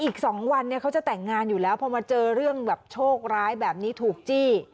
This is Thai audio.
อีก๒วันเนี่ยเขาจะแต่งงานอยู่แล้วพอมาเจอเรื่องแบบโชคร้ายแบบนี้ถูกจี้